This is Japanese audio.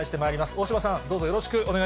大島さん、どうぞよろしくお願い